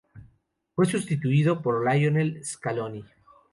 Fue sustituido por Lionel Scaloni.